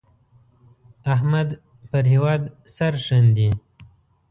احمد پر هېواد سرښندي.